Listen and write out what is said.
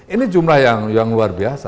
ini jumlah yang luar biasa